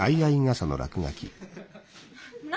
何？